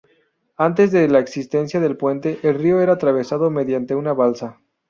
Antes de la existencia del puente, el río era atravesado mediante una balsa.